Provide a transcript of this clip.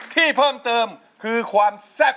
ที่เพิ่มเติมคือความแซ่บ